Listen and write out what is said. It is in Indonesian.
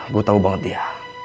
gue tau banget dia